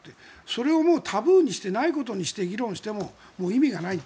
それをもうタブーにしてないことにして議論しても意味がない。